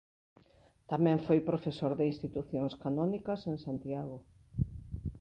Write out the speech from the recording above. Tamén foi profesor de Institucións Canónicas en Santiago.